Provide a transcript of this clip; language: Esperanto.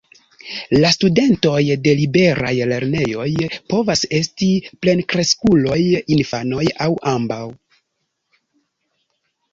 La studentoj de liberaj lernejoj povas esti plenkreskuloj, infanoj aŭ ambaŭ.